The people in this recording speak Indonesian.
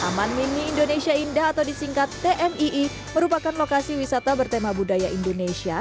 taman mini indonesia indah atau disingkat tmii merupakan lokasi wisata bertema budaya indonesia